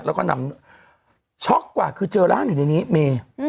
แล้วก็นำช็อกกว่าคือเจอร่างอยู่ในนี้เมย์